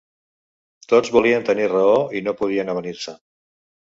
Tots volien tenir raó i no podien avenir-se.